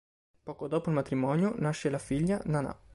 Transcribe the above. Poco dopo il matrimonio, nasce la figlia Nanà.